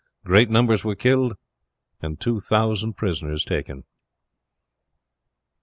Great numbers were killed, and two thousand prisoners taken.